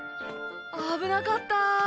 危なかったぁ。